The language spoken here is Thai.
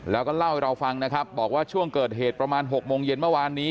แล้วก็เล่าให้เราฟังนะครับบอกว่าช่วงเกิดเหตุประมาณ๖โมงเย็นเมื่อวานนี้